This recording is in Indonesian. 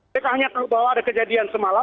mereka hanya tahu bahwa ada kejadian semalam